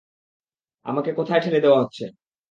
আমাকে কোথায় ঠেলে দেয়া হচ্ছে।